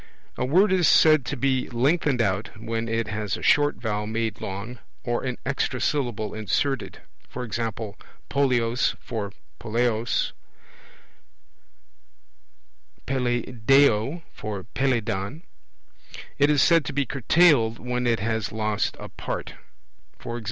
A word is said to be lengthened out, when it has a short vowel made long, or an extra syllable inserted; e. g. polleos for poleos, Peleiadeo for Peleidon. It is said to be curtailed, when it has lost a part; e.g.